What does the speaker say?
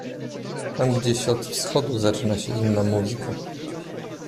"Tam gdzieś od wschodu zaczyna się inna muzyka."